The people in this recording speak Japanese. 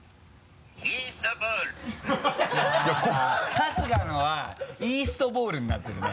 春日のはイーストボールになってるね。